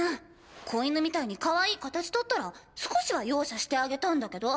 子犬みたいにかわいい形だったら少しは容赦してあげたんだけど。